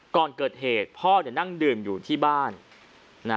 ก่อนเกิดเหตุพ่อเนี่ยนั่งดื่มอยู่ที่บ้านนะ